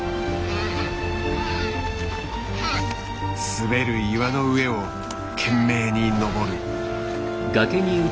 滑る岩の上を懸命に登る。